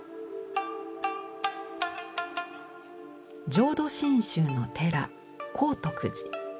浄土真宗の寺光徳寺。